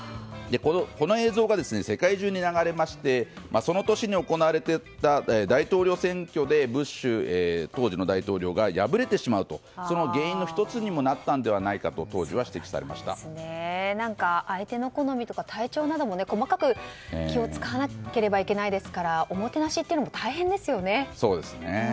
この映像が世界中に流れましてその年に行われた大統領選挙でブッシュ、当時の大統領が敗れてしまうというその原因の１つになったのではないかと相手の好みとか体調なども細かく気を使わなければいけないですからおもてなしも大変ですよね。